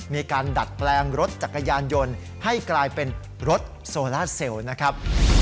มีการดัดแปลงรถจักรยานยนต์ให้กลายเป็นรถโซล่าเซลล์นะครับ